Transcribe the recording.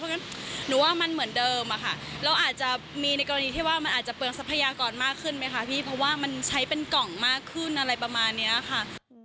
เพราะฉะนั้นหนูว่ามันเหมือนเดิมอะค่ะเราอาจจะมีในกรณีที่ว่ามันอาจจะเปลืองทรัพยากรมากขึ้นไหมคะพี่เพราะว่ามันใช้เป็นกล่องมากขึ้นอะไรประมาณนี้ค่ะ